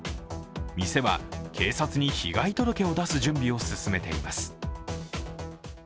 店は、警察に被害届を出す準備を進めています。